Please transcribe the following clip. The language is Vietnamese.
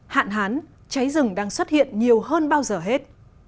hạn hán cháy rừng đang xuất hiện nhiều hơn bao giờ hết